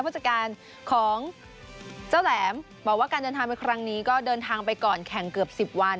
ผู้จัดการของเจ้าแหลมบอกว่าการเดินทางไปครั้งนี้ก็เดินทางไปก่อนแข่งเกือบ๑๐วัน